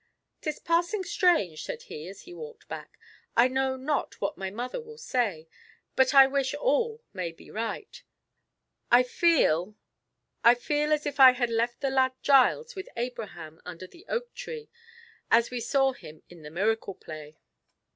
"'Tis passing strange," said he, as he walked back; "I know not what my mother will say, but I wish all may be right. I feel—I feel as if I had left the lad Giles with Abraham under the oak tree, as we saw him in the miracle play!"